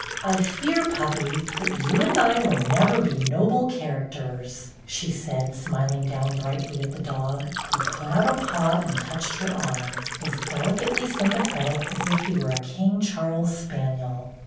"I fear, puppy, that you and I will never be Noble Characters,'' she said, smiling down brightly at the dog, who put out a paw and touched her arm, as delicately sympathetic as if he were a King Charles spaniel.